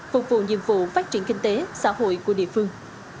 phục vụ nhiệm vụ phát triển kinh tế xã hội của địa phương